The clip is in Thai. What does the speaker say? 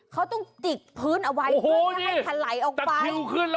เขาต้องจิกพื้นเอาไว้เพื่อให้ขลายออกไป